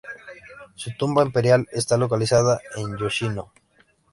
Su Tumba Imperial está localizada en Yoshino.